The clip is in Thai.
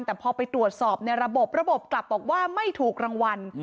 แต่พอไปตรวจสอบในระบบระบบกลับบอกว่าไม่ถูกรางวัล